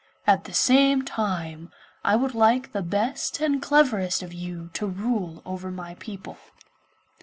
At the same time I would like the best and cleverest of you to rule over my people.